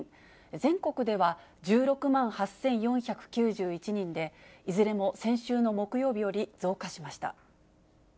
全国では１６万８４９１人で、いずれも先週の木曜日より増加しました。